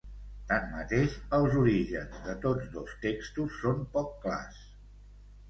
Tanmateix, els orígens de tots dos textos són poc clars.